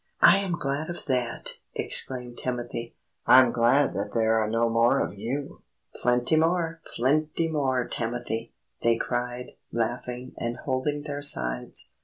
"I am glad of that!" exclaimed Timothy; "I'm glad that there are no more of you!" "Plenty more! Plenty more, Timothy!" they cried, laughing and holding their sides.